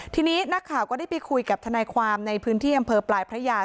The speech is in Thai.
ทีนี้นักข่าวก็ได้ไปคุยกับทนายความในพื้นที่อำเภอปลายพระยา